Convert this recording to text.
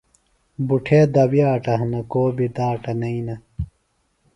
بُٹھے دوِیاٹہ ہِنہ کو بیۡ داٹہ نئینہ۔